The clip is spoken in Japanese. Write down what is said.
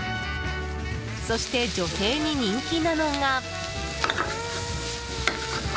そして女性に人気なのが。